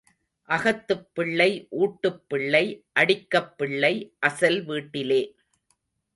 அகத்துப் பிள்ளை ஊட்டுப் பிள்ளை அடிக்கப் பிள்ளை அசல் வீட்டிலே.